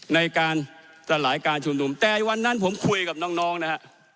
ในการสลายการชุมนุมแต่วันนั้นผมคุยกับน้องนะฮะ